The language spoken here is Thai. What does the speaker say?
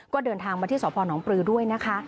ก็เดินทางมาที่สพนปลือด้วยนะคะ